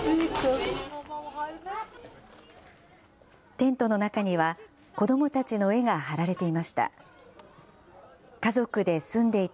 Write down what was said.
テントの中には、子どもたちの絵が貼られていました。